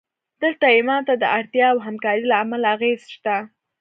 دلته ایمان ته د اړتیا او همکارۍ له امله اغېز شته